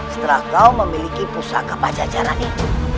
setelah kau memiliki pusaka pacar cara itu